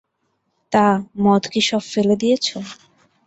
তা, মদ কি সব ফেলে দিয়েছ?